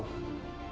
karena debu abu abu